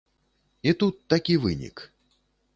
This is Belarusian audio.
І тут такі вынік.